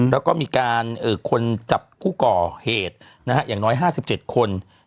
แล้วก็มีการคนจับผู้ก่อเหตุอย่างน้อย๕๗คน